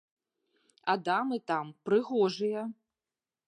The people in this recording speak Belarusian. А дамы там, прыгожыя.